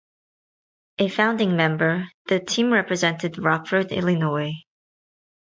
A founding member, the team represented Rockford, Illinois.